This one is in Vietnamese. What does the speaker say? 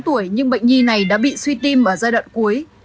sáu tuổi nhưng bệnh nhi này đã bị suy tim ở giai đoạn cuối